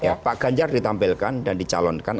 ya pak ganjar ditampilkan dan dicalonkan